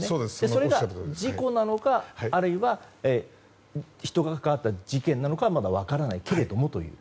それが、事故なのかあるいは人が関わった事件かは分からないけれどもという。